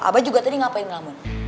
abah juga tadi ngapain kamu